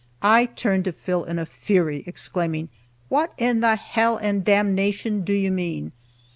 I turned to Phil in a fury, exclaiming, "What in the hell and damnation do you mean?"